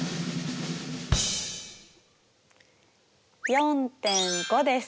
４．５です！